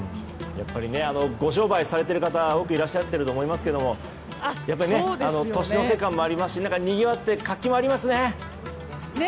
ご商売されている方多くいらっしゃっていると思いますけど年の瀬感もありますしにぎわって活気ありますね。